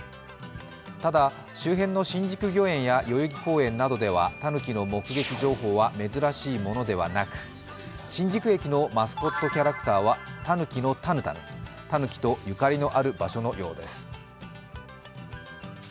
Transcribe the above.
ただ、周辺の新宿御苑や代々木公園などではたぬきの目撃情報は珍しいものではなく、新宿駅のマスコットキャラクターはたぬきの、たぬたぬ、たぬきとゆかりのある場所のようです。